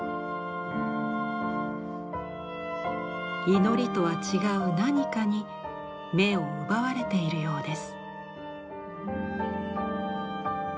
祈りとは違う何かに目を奪われているようです。